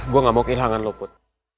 gue gak mau kehilangan lo put